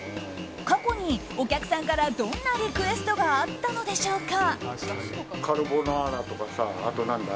過去にお客さんからどんなリクエストがあったのでしょうか？